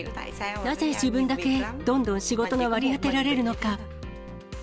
なぜ自分だけどんどん仕事が割り当てられるのか。